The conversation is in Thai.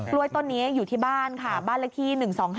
วยต้นนี้อยู่ที่บ้านค่ะบ้านเลขที่๑๒๕